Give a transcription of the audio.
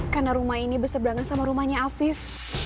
karena rumah ini berseberangan sama rumahnya afif